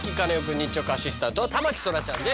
日直アシスタントは田牧そらちゃんです。